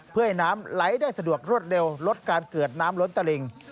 เพื่อให้น้ำไหลได้สะดวกรวดเร็วลดการเกิดน้ำล้นตะลิง